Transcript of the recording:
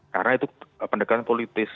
karena itu pendekatan politis